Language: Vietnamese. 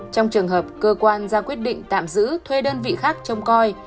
trong trường hợp cơ quan ra quyết định tạm giữ thuê đơn vị khác trông coi